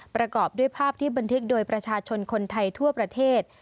ประกอบด้วยภาพที่บันทึกโดยประชาชนคนไทยทั่วประเทศ